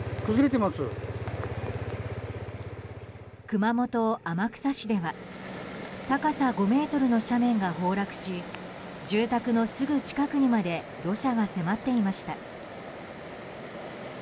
熊本・天草市では高さ５ｍの斜面が崩落し住宅のすぐ近くにまで土砂が迫っていました。